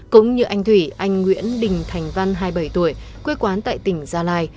cũng như anh thủy anh nguyễn đình thành văn hai mươi bảy tuổi quê quán tại tỉnh gia lai